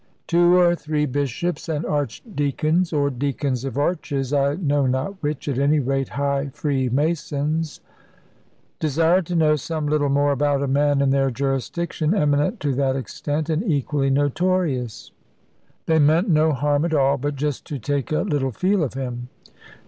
Two or three bishops and archdeacons (or deacons of arches, I know not which, at any rate high free masons) desired to know some little more about a man in their jurisdiction eminent to that extent, and equally notorious. They meant no harm at all, but just to take a little feel of him.